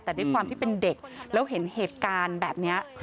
แต่ด้วยความที่เป็นเด็กแล้วเห็นเหตุการณ์แบบนี้